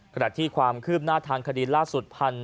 ขณะที่ความคืบหน้าทางคดีล่าสุด